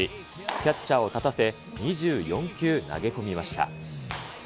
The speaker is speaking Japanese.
キャッチャーを立たせ、２４球投げ込みました。